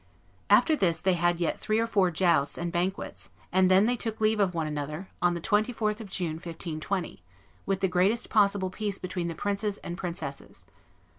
After this they had yet three or four jousts and banquets, and then they took leave of one another [on the 24th of June, 1520], with the greatest possible peace between the princes and princesses.